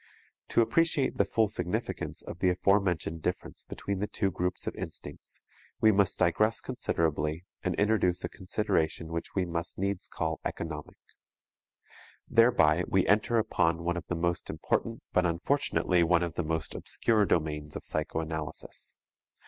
To appreciate the full significance of the aforementioned difference between the two groups of instincts, we must digress considerably and introduce a consideration which we must needs call economic. Thereby we enter upon one of the most important but unfortunately one of the most obscure domains of psychoanalysis.